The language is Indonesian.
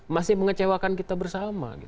masih mengecewakan kita bersama